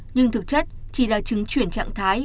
nhưng thực chất chỉ là trứng chuyển trạng thái